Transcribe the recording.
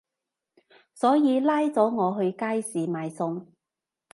所以拉咗我去街市買餸